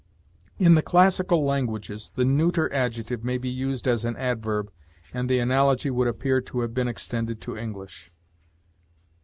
In the classical languages the neuter adjective may be used as an adverb, and the analogy would appear to have been extended to English.